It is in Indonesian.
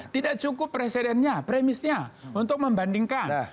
tidak cukup presidennya premisnya untuk membandingkan